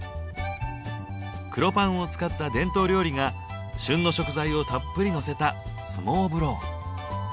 黒パンを使った伝統料理が旬の食材をたっぷりのせたスモーブロー。